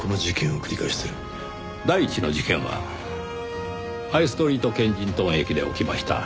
第一の事件はハイストリートケンジントン駅で起きました。